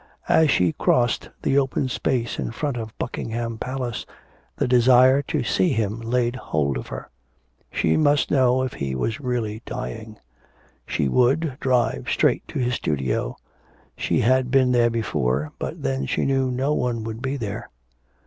As she crossed the open space in front of Buckingham Palace the desire to see him laid hold of her. She must know if he were really dying. She would, drive straight to his studio. She had been there before, but then she knew no one would be there.